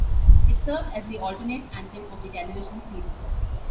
It served as the alternate anthem of the television series.